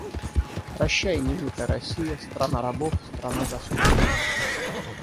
Прощай, немытая Россия, Страна рабов, страна господ